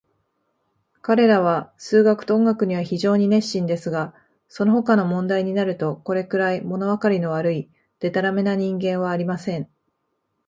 彼等は数学と音楽には非常に熱心ですが、そのほかの問題になると、これくらい、ものわかりの悪い、でたらめな人間はありません。